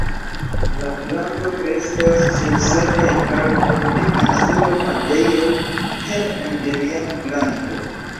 La planto kreskas sur sekaj partoj de insulo Madejro kiel endemia planto.